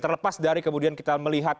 terlepas dari kemudian kita melihat